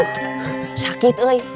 aduh sakit ui